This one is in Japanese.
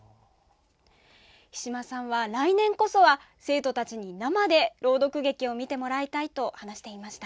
比島さんは来年こそは生徒たちに生で朗読劇を見てもらいたいと話していました。